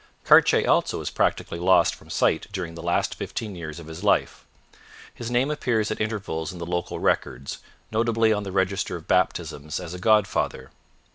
Cartier also is practically lost from sight during the last fifteen years of his life. His name appears at intervals in the local records, notably on the register of baptisms as a godfather.